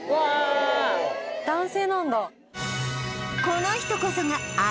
この人こそがＲＦ